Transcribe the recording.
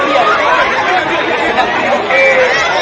เย้